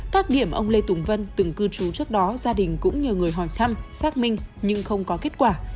các điểm ông lê tùng vân từng cư trú trước đó gia đình cũng nhờ người hỏi thăm xác minh nhưng không có kết quả